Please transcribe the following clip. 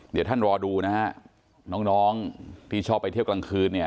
เดี๋ยวท่านรอดูนะฮะน้องที่ชอบไปเที่ยวกลางคืนเนี่ย